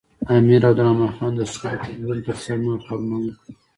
امیر عبدالرحمن خان د سولې ټینګولو تر څنګ نور کارونه هم وکړل.